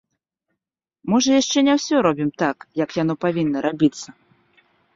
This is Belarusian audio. Можа яшчэ не ўсё робім так, як яно павінна рабіцца.